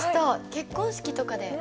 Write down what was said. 結婚式とかで。